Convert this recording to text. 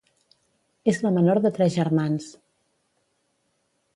És la menor de tres germans.